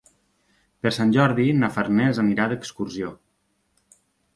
Per Sant Jordi na Farners anirà d'excursió.